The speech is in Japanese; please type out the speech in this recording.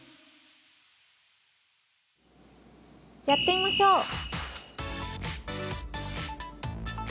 やってみましょう！